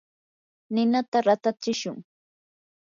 ninata ratatsishun.